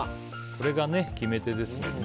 これが決め手ですもんね。